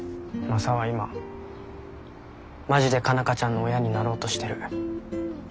マサは今マジで佳奈花ちゃんの親になろうとしてる。